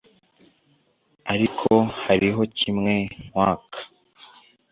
ariko hariho kimwe nkwaka